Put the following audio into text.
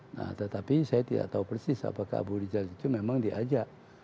nah tetapi saya tidak tahu persis apakah abu rizal itu memang diajak